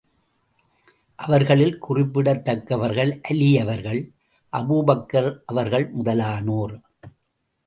அவர்களில் குறிப்பிடத்தக்கவர்கள் அலி அவர்கள், அபூபக்கர் அவர்கள் முதலானோர்.